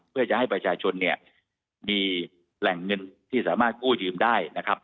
เพื่อจะให้ประชาชนเนี่ยมีแหล่งเงินที่สามารถกู้ยืมได้นะครับ